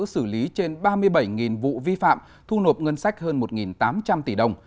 xử lý trên ba mươi bảy vụ vi phạm thu nộp ngân sách hơn một tám trăm linh tỷ đồng